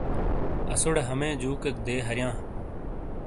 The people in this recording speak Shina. اسوڑے ہَمے جُوکیک دے ہَریاں۔